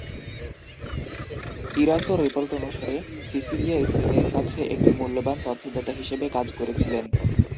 ইরাসোর report অনুসারে, Cecilia স্পেনের কাছে এক মূল্যবান তথ্যদাতা হিসেবে কাজ করেছিলেন।